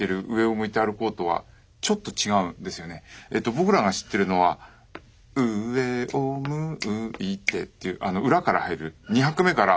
僕らが知ってるのは「うえをむいて」っていう裏から入る２拍目から。